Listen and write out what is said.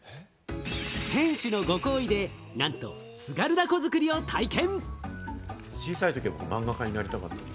店主のご厚意で、なんと津軽凧作りを体験。